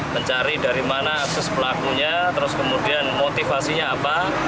mencari dari mana akses pelakunya terus kemudian motivasinya apa